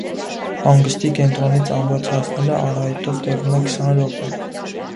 Հանգստի կենտրոնից ամրոց հասնելը արահետով տևում է քսան րոպե։